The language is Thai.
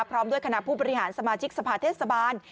พร้อมด้วยคณะผู้บริหารสมาชิกสภาเทศบาล